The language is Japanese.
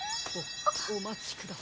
おおまちください。